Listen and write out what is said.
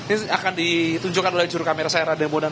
ini akan ditunjukkan oleh jurukamera saya raden bonan